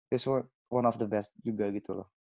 dia salah satu yang terbaik juga gitu loh